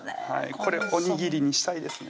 これおにぎりにしたいですね